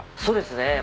そうですね。